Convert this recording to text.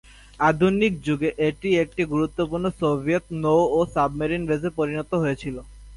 আধুনিক যুগে এটি একটি গুরুত্বপূর্ণ সোভিয়েত নৌ ও সাবমেরিন বেসে পরিণত হয়েছিল।